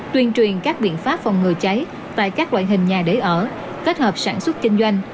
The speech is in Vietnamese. tuyên truyền các biện pháp phòng ngừa cháy tại các loại hình nhà để ở kết hợp sản xuất kinh doanh